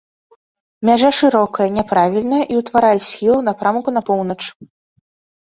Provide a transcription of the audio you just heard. Мяжа шырокая, няправільная і ўтварае схіл у напрамку на поўнач.